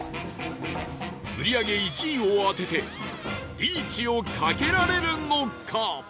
売り上げ１位を当ててリーチをかけられるのか？